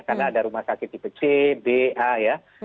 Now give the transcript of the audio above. karena ada rumah sakit tipe c b a ya